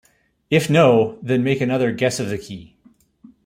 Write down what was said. If no, then make another guess of the key.